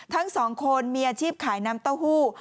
ทั้งสองคนมีอาชีพขายน้ำเต้าหู้